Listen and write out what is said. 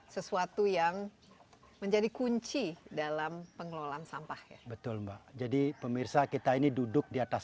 sesuatu yang menjadi kunci dalam pengelolaan sampah ya betul mbak jadi pemirsa kita ini duduk di atas